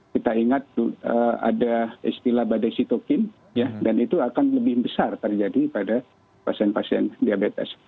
kita ingat ada istilah badai sitokin dan itu akan lebih besar terjadi pada pasien pasien diabetes